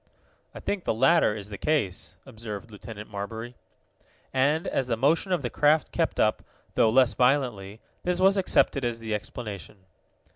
"I think the latter is the case," observed Lieutenant Marbury. And, as the motion of the craft kept up, though less violently, this was accepted as the explanation.